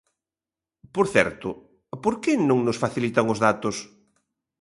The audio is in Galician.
Por certo, ¿por que non nos facilitan os datos?